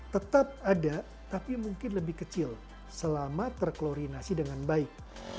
tetap ada tapi mungkin lebih kecil selama terkoordinasi dengan baik